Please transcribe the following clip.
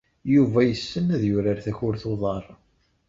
Yuba yessen ad yurar takurt n uḍar.